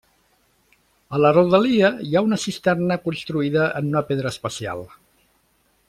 A la rodalia hi ha una cisterna construïda en una pedra especial.